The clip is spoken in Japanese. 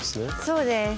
そうです。